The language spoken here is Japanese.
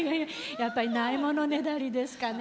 やっぱりないものねだりですかね。